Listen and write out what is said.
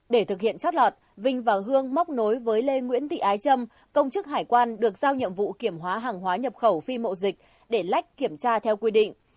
để thực hiện chót lọt vinh và hương móc nối với lê nguyễn thị ái trâm công chức hải quan được giao nhiệm vụ kiểm hóa hàng hóa nhập khẩu phi mậu dịch để lách kiểm tra theo quy định